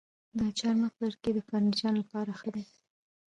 د چهارمغز لرګی د فرنیچر لپاره ښه دی.